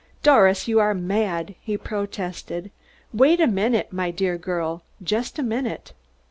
"Doris, you are mad!" he protested. "Wait a minute, my dear girl just a minute."